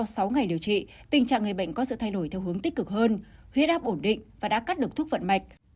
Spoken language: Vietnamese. sau sáu ngày điều trị tình trạng người bệnh có sự thay đổi theo hướng tích cực hơn huyết áp ổn định và đã cắt được thuốc vận mạch